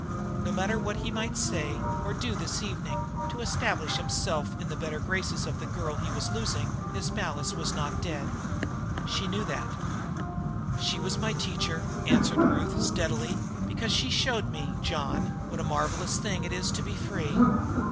No matter what he might say or do this evening to establish himself in the better graces of the girl he was losing, his malice was not dead. That she knew. "She was my teacher," answered Ruth steadily, "because she showed me, John, what a marvelous thing it is to be free.